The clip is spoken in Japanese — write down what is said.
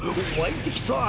湧いてきた。